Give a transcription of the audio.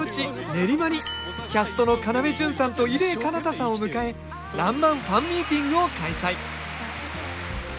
練馬にキャストの要潤さんと伊礼彼方さんを迎え「らんまん」ファンミーティングを開催